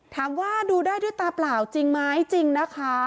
ถามว่าดูได้ด้วยตาเปล่าจริงไหมจริงนะคะ